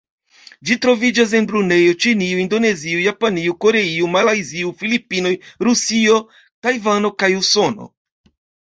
Ĝi troviĝas en Brunejo, Ĉinio, Indonezio, Japanio, Koreio, Malajzio, Filipinoj, Rusio, Tajvano kaj Usono.